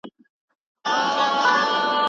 یا د خدای له خوا راغلې پرېښته،